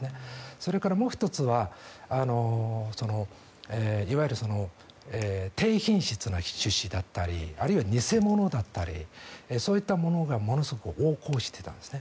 それからもう１つはいわゆる低品質な種子だったりあるいは偽物だったりそういったものがものすごく横行していたんです。